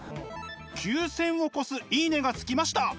９，０００を超す「いいね！」がつきました。